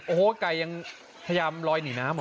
โอ้โหไก่ยังพยายามลอยหนีน้ำเหรอ